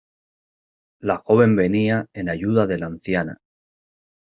La joven venía en ayuda de la anciana.